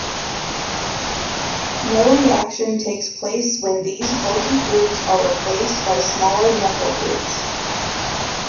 No reaction takes place when these bulky groups are replaced by smaller methyl groups.